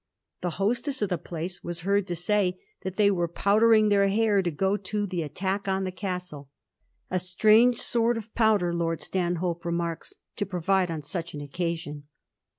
The hostess of the place was heard to say that they were powdering their hair to go to the attack on the Castle. 'A strange sort of powder,* Lord Stanhope remarks, ' to provide on such an occasion.'